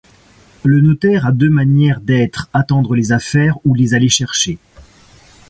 Le notaire a deux manières d’être : attendre les affaires ou les aller chercher.